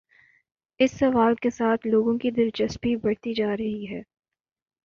اس سوال کے ساتھ لوگوں کی دلچسپی بڑھتی جا رہی ہے۔